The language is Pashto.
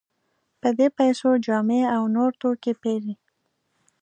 په دې پیسو جامې او نور توکي پېري.